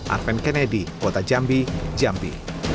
arven kennedy kota jambi jambi